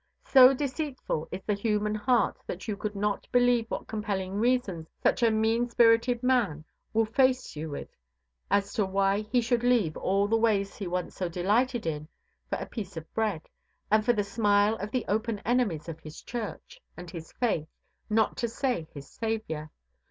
So deceitful is the human heart that you could not believe what compelling reasons such a mean spirited man will face you with as to why he should leave all the ways he once so delighted in for a piece of bread, and for the smile of the open enemies of his church, and his faith, not to say his Saviour.